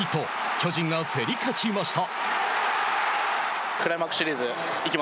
巨人が競り勝ちました。